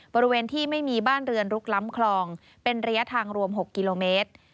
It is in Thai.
บริเวณที่ไม่มีบ้านเรือนลุกล้ำคลองเป็นระยะทางรวม๖กิโลเมตร